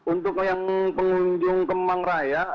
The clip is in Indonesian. untuk yang pengunjung kemang raya